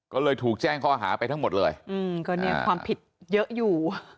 ก็เลยถูกแจ้งข้ออาหารไปทั้งหมดเลยความผิดเยอะอยู่